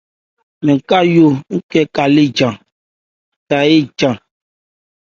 Mɛ́n ca yɔ nkɛ kalé ɉɛɛn.